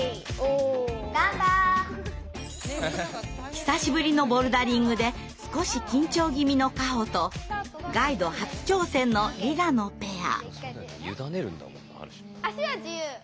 久しぶりのボルダリングで少し緊張気味のカホとガイド初挑戦のリラのペア。